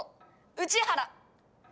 内原。